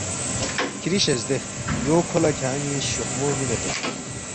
کھِری شزدے یو کھو لہ کھیان٘ی شوخمو مِنے تونگ